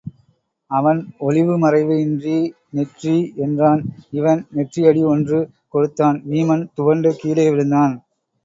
அவன் ஒளிவுமறைவு இன்றி நெற்றி என்றான் இவன் நெற்றி அடி ஒன்று கொடுத்தான் வீமன் துவண்டு கீழே விழுந்தான்.